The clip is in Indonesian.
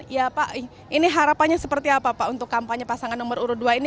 ya pak ini harapannya seperti apa pak untuk kampanye pasangan nomor urut dua ini